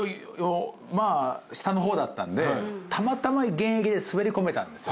まあ下の方だったんでたまたま現役で滑り込めたんですよ